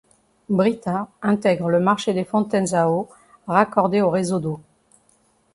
Brita intègre le marché des fontaines à eau raccordées au réseau d'eau.